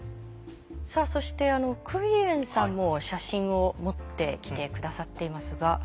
さあそしてクイエンさんも写真を持ってきて下さっていますが。